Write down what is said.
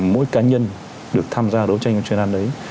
mỗi cá nhân được tham gia đấu tranh